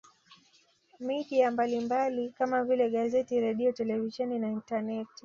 Media mbalimbali kama vile gazeti redio televisheni na intaneti